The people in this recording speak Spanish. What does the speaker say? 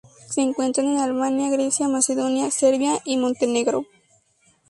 Se encuentra en Albania, Grecia, Macedonia, Serbia y Montenegro.